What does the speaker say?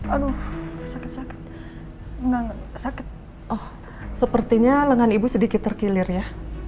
aduh sakit sakit nggak sakit oh sepertinya lengan ibu sedikit terkilir ya